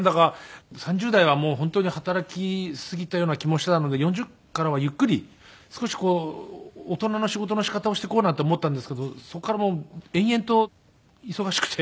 ３０代は本当に働きすぎたような気もしていたので４０からはゆっくり少しこう大人の仕事の仕方をしていこうなんて思ったんですけどそこからもう延々と忙しくて。